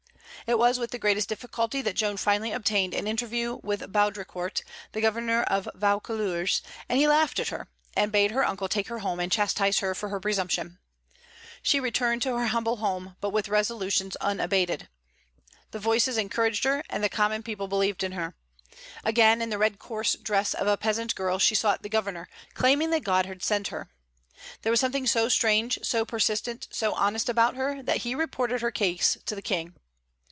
It was with the greatest difficulty that Joan finally obtained an interview with Boudricourt, the governor of Vaucouleurs; and he laughed at her, and bade her uncle take her home and chastise her for her presumption. She returned to her humble home, but with resolutions unabated. The voices encouraged her, and the common people believed in her. Again, in the red coarse dress of a peasant girl, she sought the governor, claiming that God had sent her. There was something so strange, so persistent, so honest about her that he reported her case to the King.